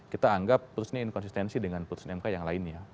kita anggap putusnya inkonsistensi dengan putusan mk yang lainnya